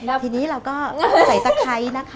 แล้วทีนี้เราก็ใส่ตะไคร้นะคะ